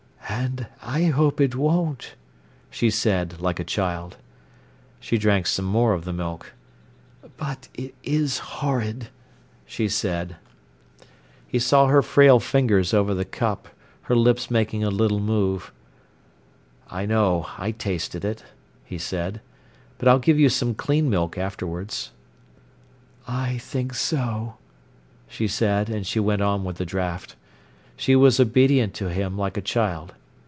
"And I hope it won't," she said, like a child. She drank some more of the milk. "But it is horrid!" she said. He saw her frail fingers over the cup, her lips making a little move. "I know—I tasted it," he said. "But I'll give you some clean milk afterwards." "I think so," she said, and she went on with the draught. She was obedient to him like a child.